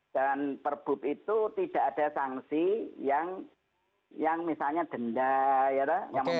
dan pergub itu tidak ada sanksi yang misalnya denda ya